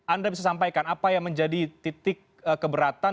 anda bisa sampaikan apa yang menjadi titik keberatan